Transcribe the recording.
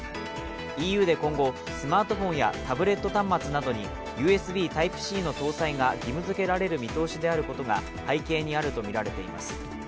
ＥＵで今後、スマートフォンやタブレット端末などにＵＳＢＴｙｐｅ−Ｃの搭載が義務づけられる見通しであることが背景にあるとみられています。